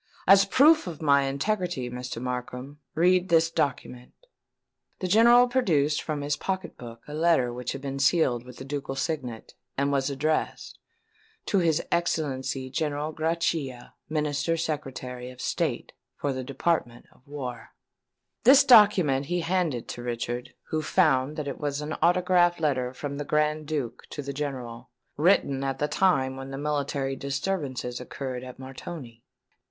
As a proof of my integrity, Mr. Markham, read this document." The General produced from his pocket book a letter which had been sealed with the ducal signet, and was addressed "To His Excellency General Grachia, Minister Secretary of State for the Department of War." This document he handed to Richard, who found that it was an autograph letter from the Grand Duke to the General, written at the time when the military disturbances occurred at Montoni.